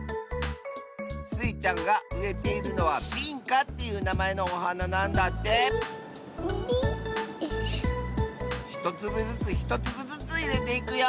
スイちゃんがうえているのは「ビンカ」っていうなまえのおはななんだってひとつぶずつひとつぶずついれていくよ。